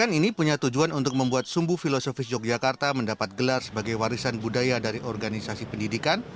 n ini punya tujuan untuk membuat sumbu filosofis yogyakarta mendapat gelar sebagai warisan budaya dari organisasi pendidikan